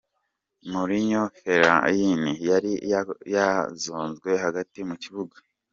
Marouane Felaini yari yazonzwe hagati mu kibuga.